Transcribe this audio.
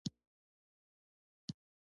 د کلي د چنار کوڅې درواغجن خاټک نومېده.